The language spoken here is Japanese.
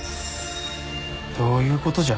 「どういうことじゃ？